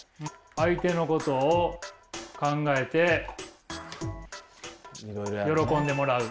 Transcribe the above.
相手のことを考えて喜んでもらう。